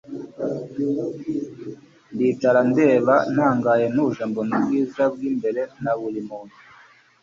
ndicara ndeba ntangaye ntuje, mbona ubwiza bw'imbere na buri muntu